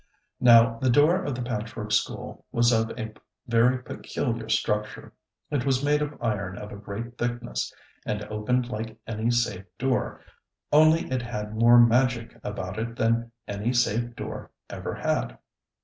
Now, the door of the Patchwork School was of a very peculiar structure. It was made of iron of a great thickness, and opened like any safe door, only it had more magic about it than any safe door ever had.